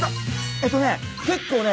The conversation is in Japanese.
えっとね結構ね